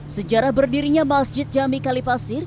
sejarah berdirinya masjid jami kalipasir